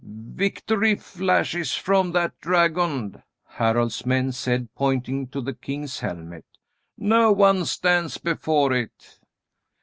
"Victory flashes from that dragon," Harald's men said, pointing to the king's helmet. "No one stands before it."